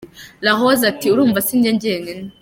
LaRose ati « Urumva si njye njyenyine.